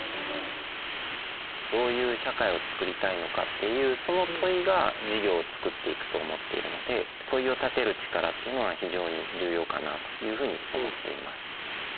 どういう社会を作りたいのかっていうその問いが事業を作っていくと思っているので問いを立てる力っていうのは非常に重要かなというふうに思っています。